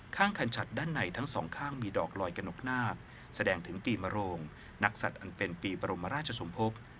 คันฉัดด้านในทั้งสองข้างมีดอกลอยกระหนกนาคแสดงถึงปีมโรงนักสัตว์อันเป็นปีบรมราชสมภพ